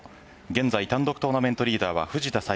現在単独トーナメントリーダーは藤田さ